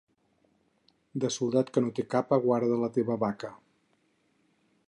De soldat que no té capa, guarda la teva vaca.